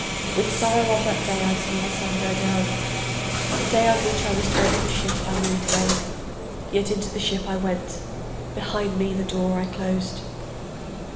With sorrow on that day I saw the sun go down. The day on which I was to enter the ship I was afraid. Yet into the ship I went, behind me the door I closed.